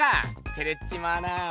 てれっちまうなぁ。